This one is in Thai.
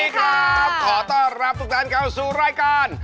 ขอต้อนรับทุกท่านเข้าสู่รายการ